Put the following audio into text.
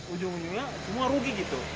ujung ujungnya semua rugi gitu